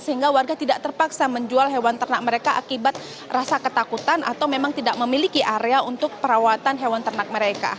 sehingga warga tidak terpaksa menjual hewan ternak mereka akibat rasa ketakutan atau memang tidak memiliki area untuk perawatan hewan ternak mereka